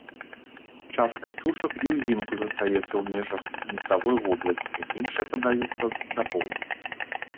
Частка птушак і ўзімку застаецца ў межах гнездавой вобласці, іншыя падаюцца да поўдня.